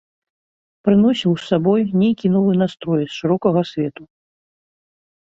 Прыносіў з сабой нейкі новы настрой з шырокага свету.